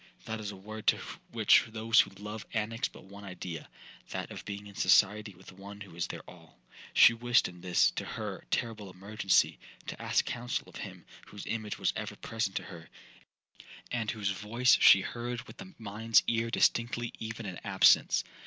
—that is a word to which those who love annex but one idea,—that of being in society with one who is their all. She wished in this (to her) terrible emergency, to ask counsel of him whose image was ever present to her, and whose voice she heard with the mind's ear distinctly even in absence.